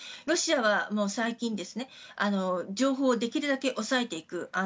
ロシアは最近情報をできるだけ抑えていく。